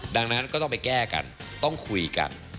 ดังนั้นก็ต้องไปแก้กันต้องคุยกัน